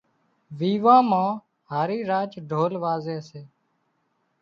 ويوان مان هارِي راچ ڍول وازي سي